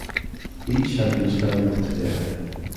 Each had been strangled to death.